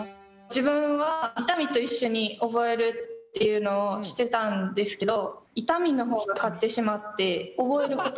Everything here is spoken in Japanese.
自分は痛みと一緒に覚えるっていうのをしてたんですけど痛みの方が勝ってしまって覚えることができなかった。